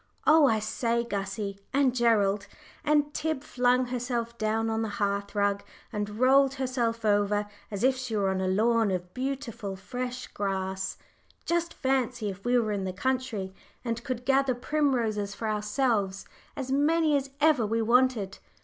Oh, I say, Gussie and Gerald" and Tib flung herself down on the hearth rug, and rolled herself over, as if she were on a lawn of beautiful fresh grass "just fancy if we were in the country, and could gather primroses for ourselves as many as ever we wanted.